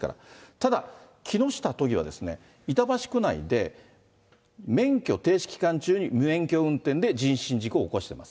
ただ、木下都議は、板橋区内で免許停止期間中に無免許運転で人身事故を起こしてます。